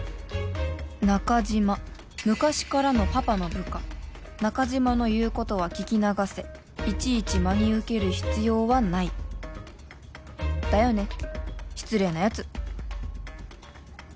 中嶋昔からのパパの部下中嶋の言うことは聞き流せいちいち真に受ける必要はないだよね失礼なヤツ